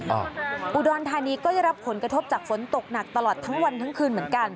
อุดรธานีก็ได้รับผลกระทบจากฝนตกหนักตลอดทั้งวันทั้งคืนเหมือนกัน